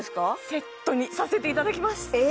セットにさせていただきますえ！？